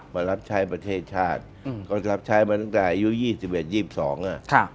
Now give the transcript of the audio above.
มารับใช้ประเทศชาติก็รับใช้มาตั้งแต่อายุ๒๑๒๒อ่ะ